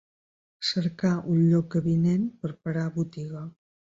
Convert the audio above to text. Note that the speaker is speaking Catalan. Cercar un lloc avinent per a parar botiga.